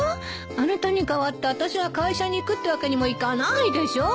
あなたに代わってあたしが会社に行くってわけにもいかないでしょ。